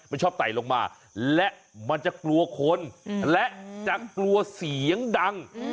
มันชอบไต่ลงมาและมันจะกลัวคนและจะกลัวเสียงดัง